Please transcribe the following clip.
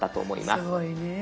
すごいねえ。